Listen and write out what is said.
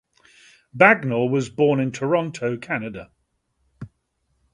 Bagnell was born in Toronto, Ontario.